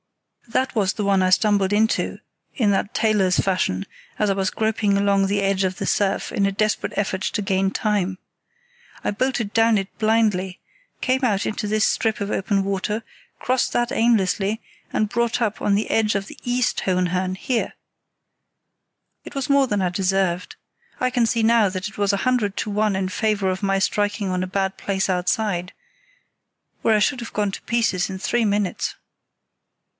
That was the one I stumbled into in that tailor's fashion, as I was groping along the edge of the surf in a desperate effort to gain time. I bolted down it blindly, came out into this strip of open water, crossed that aimlessly, and brought up on the edge of the East Hohenhörn, here. It was more than I deserved. I can see now that it was a hundred to one in favour of my striking on a bad place outside, where I should have gone to pieces in three minutes."